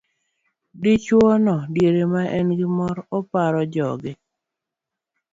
Dichwo no diere ma en gi mor, oparo joge